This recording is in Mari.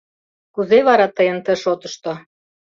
Кузе вара тыйын ты шотышто?